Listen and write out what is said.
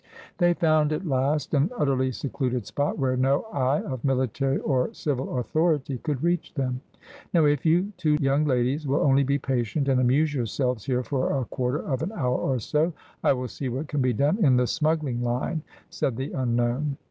They found at last an utterly secluded spot, where no eye of military or civil authority could reach them. 'Now, if you two young ladies will only be patient, and amuse yourselves here for a quarter of an hour or so, I will see what can be done in the smuggling line,' said the unknown.